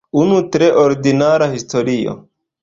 Unu tre ordinara historio.